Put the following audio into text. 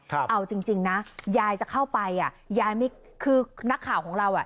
เอาจริงจริงนะยายจะเข้าไปอ่ะยายไม่คือนักข่าวของเราอ่ะ